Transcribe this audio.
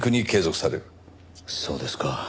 そうですか。